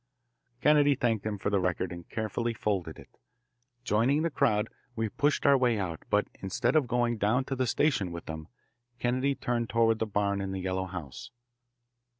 Kennedy thanked him for the record and carefully folded it. Joining the crowd, we pushed our way out, but instead of going down to the station with them, Kennedy turned toward the barn and the yellow house.